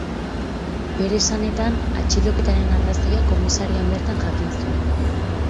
Bere esanetan, atxiloketaren arrazoia komisarian bertan jakin zuen.